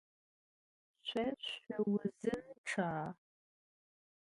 Şso şsuuzınçça?